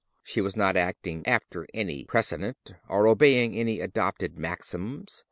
She was not acting after any precedent, or obeying any adopted maxims.